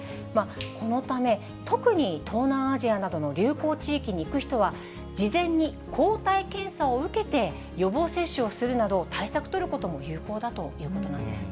このため、特に東南アジアなどの流行地域に行く人は、事前に抗体検査を受けて、予防接種をするなど、対策を取ることも有効だということなんです。